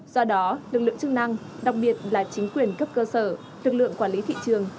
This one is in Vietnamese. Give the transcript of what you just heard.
do đó lực lượng chức năng đặc biệt là chính quyền cấp cơ sở lực lượng quản lý thị trường